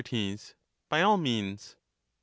By all means. Sir.